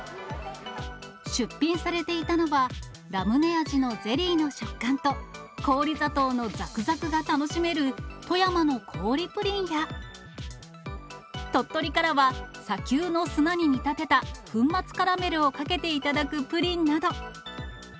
出品されていたのは、ラムネ味のゼリーの食感と、氷砂糖のざくざくが楽しめる、富山の氷ぷりんや、鳥取からは、砂丘の砂に見立てた粉末カラメルをかけていただくプリンなど。